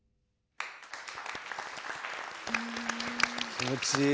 気持ちいい。